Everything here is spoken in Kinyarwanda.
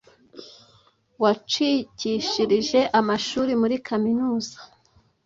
wacikishirije amashuri muri kaminuza